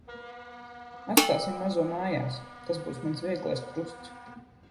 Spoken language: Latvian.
Atstāsim mazo mājās. Tas būs mans vieglais krusts.